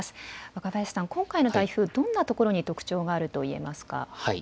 若林さん、今回の台風、どんなところに特徴があると言えますか。